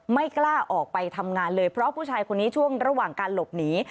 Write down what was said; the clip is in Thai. ไม่กล้าออกไปทำงานเลยเพราะผู้ชายคนนี้ช่วงระหว่างการหลบหนี